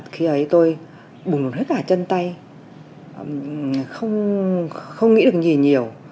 khi ấy tôi bùng nổ hết cả chân tay không nghĩ được gì nhiều